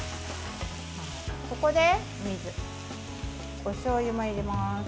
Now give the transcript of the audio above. ここで、お水おしょうゆも入れます。